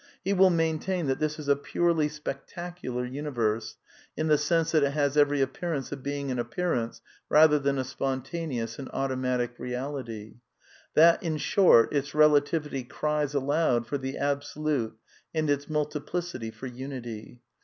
He will maintain that " this is a purely spectacular universe," in the sense that it has every appearance of being an appear \ ance rather than a spontaneous and automatic reality; \ that, in short, its relativity cries aloud for the Absolute and its multiplicity for unity.